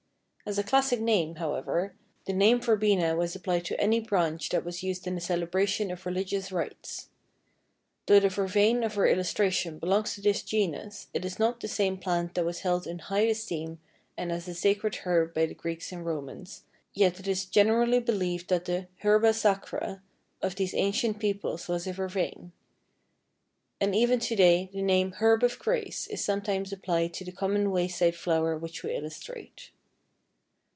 As a classic name, however, the name Verbena was applied to any branch that was used in the celebration of religious rites. Though the Vervain of our illustration belongs to this genus it is not the same plant that was held in high esteem and as a sacred herb by the Greeks and Romans, yet it is generally believed that the "herba sacra" of these ancient peoples was a Vervain. And even to day the name "Herb of Grace" is sometimes applied to the common wayside flower which we illustrate.